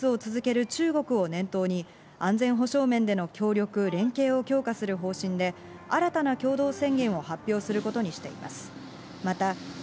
両首脳は強引な海洋進出を続ける中国を念頭に安全保障面での協力連携を強化する方針で、新たな共同宣言を発表することにしています。